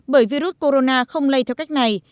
bởi virus corona không lây theo cách này